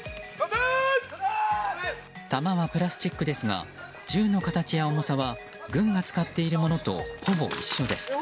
弾はプラスチックですが銃の形や重さは軍が使っているものとほぼ一緒です。